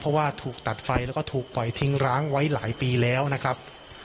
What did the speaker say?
เพราะว่าถูกตัดไฟแล้วก็ถูกปล่อยทิ้งร้างไว้หลายปีแล้วนะครับ